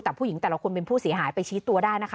แต่ผู้หญิงแต่ละคนเป็นผู้เสียหายไปชี้ตัวได้นะคะ